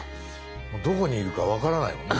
もうどこにいるか分からないもんね